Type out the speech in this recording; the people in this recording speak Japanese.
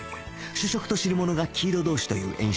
主食と汁物が黄色同士という演出